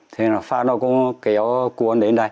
thế là pháp nó cũng kéo cuốn đến đây